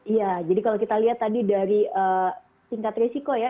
iya jadi kalau kita lihat tadi dari tingkat risiko ya